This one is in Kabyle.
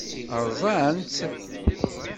Ṛṛẓan-tt?